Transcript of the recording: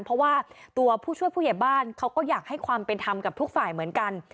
เพราะว่าตัวผู้ช่วยผู้ใหญ่บ้านเขาก็อยากให้ความเป็นธรรมกับทุกฝ่ายเหมือนกัน